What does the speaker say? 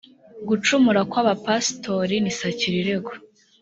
gucumura kw’abapasitori ni sakirirego